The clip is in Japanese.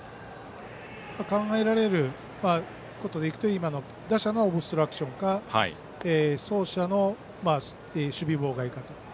考えられることでいくと打者のオブストラクションか走者の守備妨害かと。